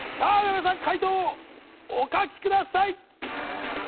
皆さん解答をお書きください